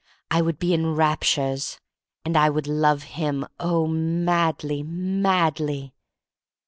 I would be in rap tures. And I would lo've him, oh, madly, madly!